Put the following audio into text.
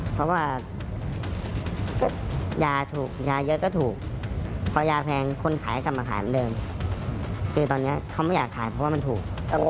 เพราะว่ายาสิบอย่างจะถูกที่เยอะก็ถูก